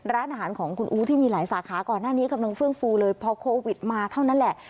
ร้านอาหารของคุณอู๋ที่มีหลายสาขาก่อนหน้านี้กำลังเฟื่องฟูเลยพอโควิดมาเท่านั้นแหละ